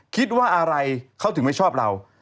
คิดว่าอะไรเขาถึงไม่ชอบเรา